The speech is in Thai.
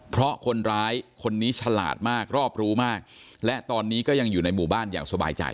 เพราะคนร้ายคนนี้ฉลาดมากรอบรู้มากและตอนนี้ก็ยังอยู่ในหมู่บ้านอย่างสบายใจ